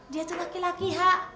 dia tuh laki laki hak